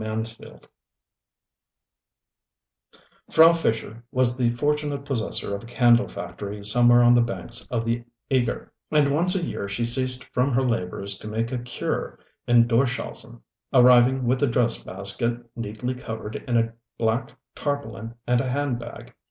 FRAU FISCHER Frau Fischer was the fortunate possessor of a candle factory somewhere on the banks of the Eger, and once a year she ceased from her labours to make a ŌĆ£cureŌĆØ in Dorschausen, arriving with a dress basket neatly covered in a black tarpaulin and a hand bag.